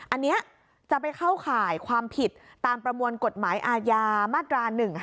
อันนี้จะไปเข้าข่ายความผิดตามประมวลกฎหมายอาญามาตรา๑๕